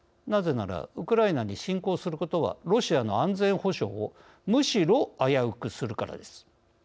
なぜならウクライナに侵攻することはロシアの安全保障をむしろ危うくするからです。